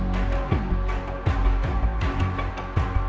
kau mau cari kesana aku biar cari kesini